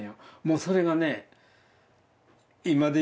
もうそれがね。